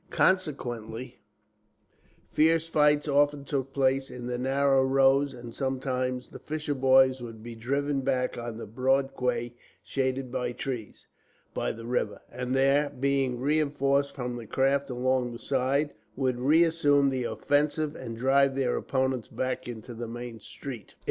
Consequently, fierce fights often took place in the narrow rows, and sometimes the fisher boys would be driven back on to the broad quay shaded by trees, by the river, and there being reinforced from the craft along the side, would reassume the offensive and drive their opponents back into the main street.